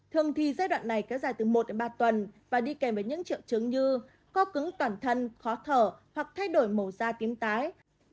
thường thì giai đoạn này kéo dài từ một đến ba tuần và đi kèm với những triệu chứng như co cứng toàn thân khó thở hoặc thay đổi màu da tíếm tái